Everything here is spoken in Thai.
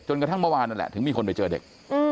กระทั่งเมื่อวานนั่นแหละถึงมีคนไปเจอเด็ก